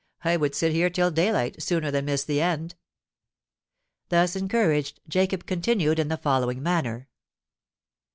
I would sit here till day light, sooner than miss the end." Thus encouraged, Jacob continued in the following manner.